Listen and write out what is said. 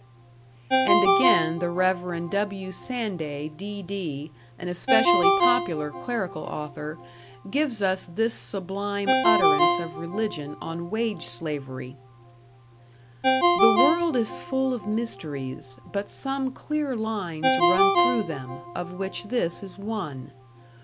And again, the Rev. W. Sanday, D.D., an especially popular clerical author, gives us this sublime utterance of religion on wage slavery: The world is full of mysteries, but some clear lines run through them, of which this is one.